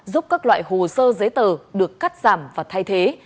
giúp các loại hồ sơ giấy tờ được cắt giảm và thay thế